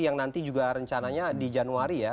yang nanti juga rencananya di januari ya